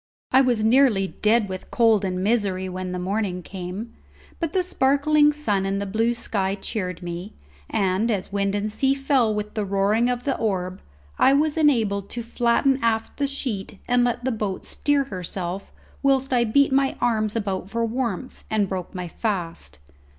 I was nearly dead with cold and misery when the morning came, but the sparkling sun and the blue sky cheered me, and as wind and sea fell with the soaring of the orb, I was enabled to flatten aft the sheet and let the boat steer herself whilst I beat my arms about for warmth and broke my fast.